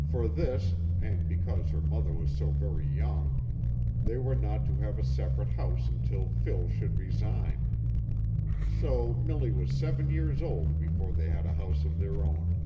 For this, and because her mother was so very young, they were not to have a separate house until " Phil " should resign ; so Milly was seven years old before they had a house of their own.